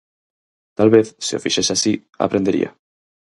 Talvez se o fixese así, aprendería.